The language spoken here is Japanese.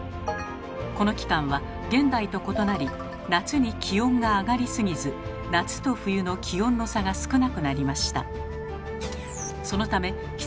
この期間は現代と異なり夏に気温が上がりすぎず夏と冬の気温の差が少なくなりました。